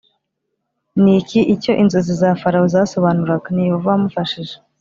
n iki icyo inzozi za Farawo zasobanuraga Ni Yehova wamufashije